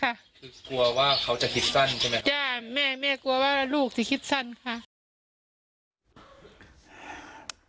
คือกลัวว่าเขาจะคิดสั้นใช่ไหมย่าแม่แม่กลัวว่าลูกจะคิดสั้นค่ะ